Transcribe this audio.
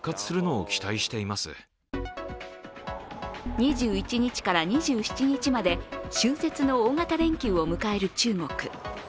２１日から２７日まで春節の大型連休を迎える中国。